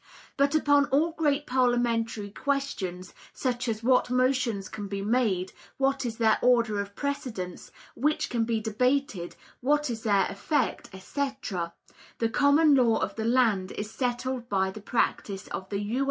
But upon all great parliamentary questions, such as what motions can be made, what is their order of precedence, which can be debated, what is their effect, etc., the common law of the land is settled by the practice of the U.